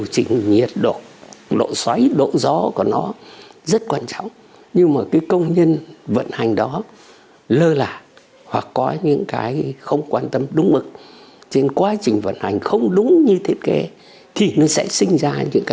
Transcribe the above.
chính những tác động về môi trường là câu trả lời thiết thực nhất